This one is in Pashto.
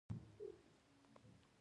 شوګان پر ټولو سیمو بشپړ واک نه درلود.